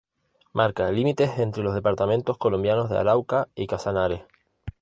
Marca límites entre los departamentos colombianos de Arauca y Casanare.